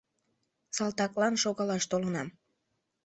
Салтаклан шогалаш толынам.